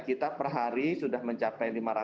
kita per hari sudah mencapai